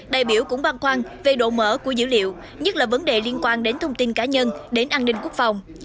đại biểu cũng băng khoan về độ mở của dữ liệu nhất là vấn đề liên quan đến thông tin cá nhân đến an ninh quốc phòng